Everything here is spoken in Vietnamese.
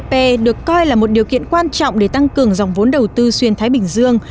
p được coi là một điều kiện quan trọng để tăng cường dòng vốn đầu tư xuyên thái bình dương